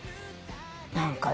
何かね